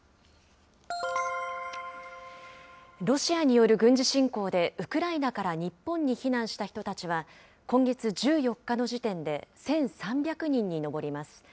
ロシアによる軍事侵攻で、ウクライナから日本に避難した人たちは、今月１４日の時点で１３００人に上ります。